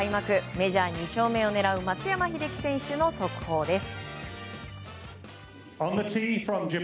メジャー２勝目を狙う松山英樹選手の速報です。